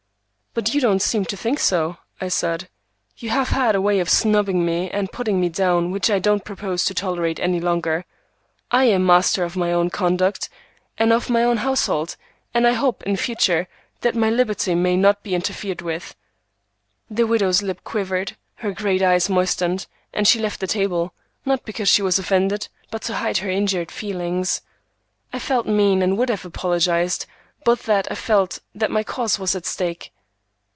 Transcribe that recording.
"But you don't seem to think so," I said. "You have had a way of snubbing me and putting me down which I don't propose to tolerate any longer. I am master of my own conduct and of my own household, and I hope, in future, that my liberty may not be interfered with." The widow's lip quivered, her great eyes moistened, and she left the table, not because she was offended, but to hide her injured feelings. I felt mean, and would have apologized, but that I felt that my cause was at stake.